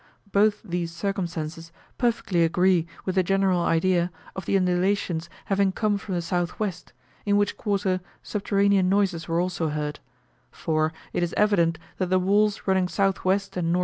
Both these circumstances perfectly agree with the general idea, of the undulations having come from the S.W., in which quarter subterranean noises were also heard; for it is evident that the walls running S.W. and N.E.